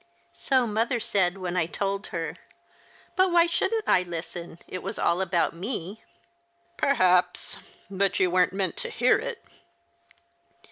" So mother said when I told her. But why shouldn't I listen ? It was all about me." " Perhaps ; but you weren't meant to hear it."